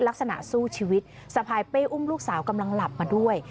สู้ชีวิตสะพายเป้อุ้มลูกสาวกำลังหลับมาด้วย